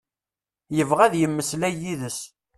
Yebɣa ad yemmeslay yid-s.